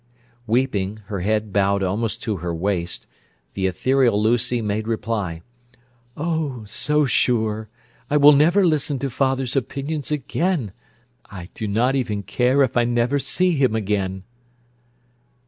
Weeping, her head bowed almost to her waist, the ethereal Lucy made reply: "Oh, so sure! I will never listen to father's opinions again. I do not even care if I never see him again!"